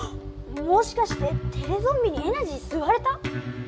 もしかしてテレゾンビにエナジーすわれた？